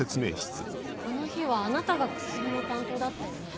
あの日はあなたが薬の担当だったよね？